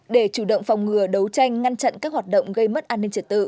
để chủ động phòng ngừa đấu tranh ngăn chặn các hoạt động gây mất an ninh trật tự